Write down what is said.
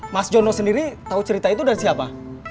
mas jono sendiri tahu cerita itu dari siapa